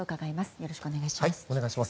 よろしくお願いします。